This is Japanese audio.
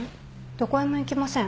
どこへも行きません。